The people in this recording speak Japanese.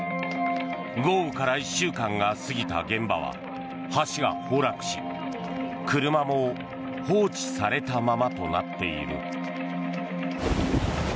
豪雨から１週間が過ぎた現場は橋が崩落し車も放置されたままとなっている。